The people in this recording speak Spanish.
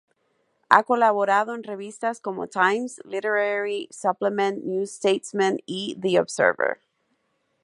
Ha colaborado en revistas como Times Literary Supplement, New Statesman y The Observer.